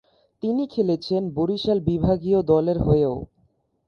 তিনি খেলেছেন বরিশাল বিভাগীয় দলের হয়েও।